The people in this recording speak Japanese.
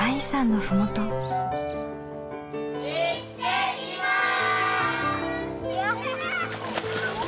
行ってきます！